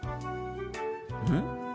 うん？